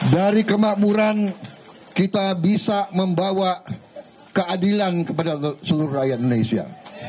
dari kemakmuran kita bisa membawa keadilan kepada seluruh rakyat indonesia